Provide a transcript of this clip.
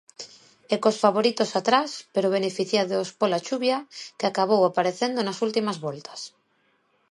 E cos favoritos atrás, pero beneficiados pola chuvia, que acabou aparecendo nas últimas voltas.